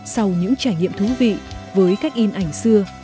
sau những trải nghiệm thú vị với cách in ảnh xưa